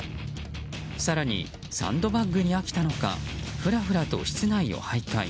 更に、サンドバッグに飽きたのかふらふらと室内を徘徊。